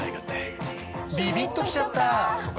ビビッときちゃった！とか